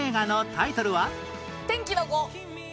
『天気の子』。